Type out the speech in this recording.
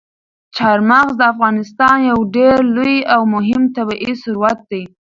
چار مغز د افغانستان یو ډېر لوی او مهم طبعي ثروت دی.